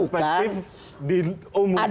kita kan melihat perspektif